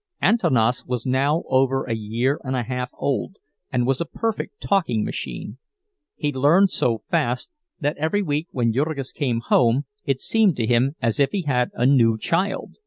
Antanas was now over a year and a half old, and was a perfect talking machine. He learned so fast that every week when Jurgis came home it seemed to him as if he had a new child.